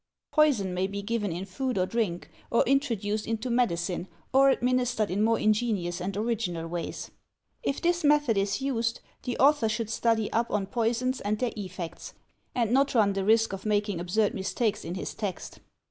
Poison may be given in food or drink, or introduced into medicine or administered in more ingenious and original ways. If this method is used, the author should study up on poisons and their effects, and not run the risk of making ab surd mistakes in his text.